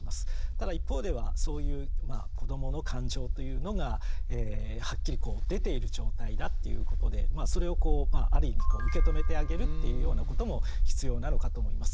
ただ一方ではそういう子どもの感情というのがはっきりこう出ている状態だっていうことでそれをこうある意味受け止めてあげるっていうようなことも必要なのかと思います。